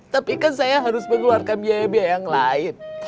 tapi kan saya harus mengeluarkan biaya biaya yang lain